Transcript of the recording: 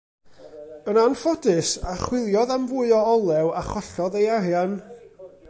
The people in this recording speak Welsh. Yn anffodus, archwiliodd am fwy o olew a chollodd ei arian.